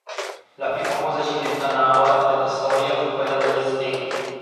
La più famosa civiltà nahua della storia fu quella degli Aztechi.